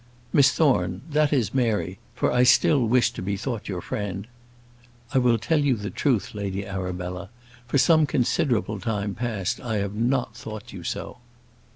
"Miss Thorne that, is, Mary, for I still wish to be thought your friend " "I will tell you the truth, Lady Arabella: for some considerable time past I have not thought you so."